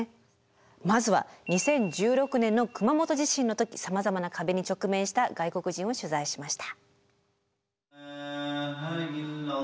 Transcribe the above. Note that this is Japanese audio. まずは２０１６年の熊本地震の時さまざまな壁に直面した外国人を取材しました。